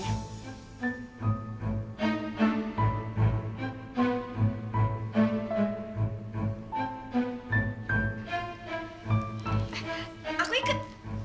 eh aku ikut